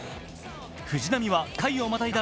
藤浪は回をまたいだ